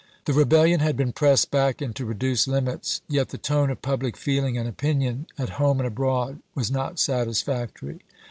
The rebellion had been pressed back into reduced limits ; yet the tone of public feeling and opinion, at home and abroad, was not satisfactory.